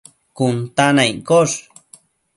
cun ta na iccosh